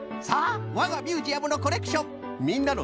さあわがミュージアムのコレクション。